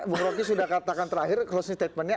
bung roky sudah katakan terakhir closing statementnya